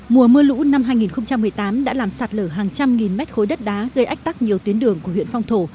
mùa mưa lũ năm hai nghìn một mươi tám đã làm sạt lở hàng trăm nghìn mét khối đất đá gây ách tắc nhiều tuyến đường của huyện phong thổ